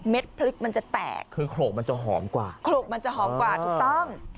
พริกมันจะแตกคือโขลกมันจะหอมกว่าโขลกมันจะหอมกว่าถูกต้อง